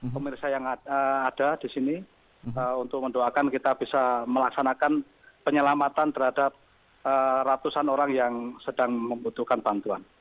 pemirsa yang ada di sini untuk mendoakan kita bisa melaksanakan penyelamatan terhadap ratusan orang yang sedang membutuhkan bantuan